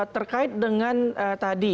terkait dengan tadi